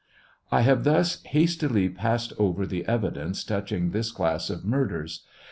I have thus hastily passed over the evidence touching this class of murders.